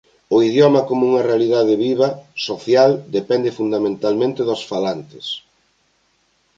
O idioma como unha realidade viva, social, depende fundamentalmente dos falantes.